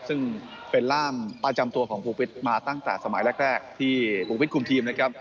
ซึ่งเป็นร่ามประจำตัวของภูวิทย์มาตั้งแต่สมัยแรกที่ภูวิทยคุมทีมนะครับ